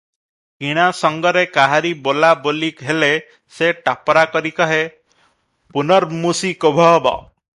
କିଣା ସଙ୍ଗରେ କାହାରି ବୋଲା ବୋଲି ହେଲେ, ସେ ଟାପରା କରି କହେ:- "ପୁନର୍ମୂଷିକୋଭବ ।"